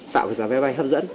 tạo cái giá vé bay hấp dẫn